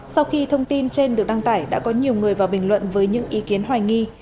sau khi thông tin trên được đăng tải đã có nhiều người vào bình luận với những ý kiến hoài nghi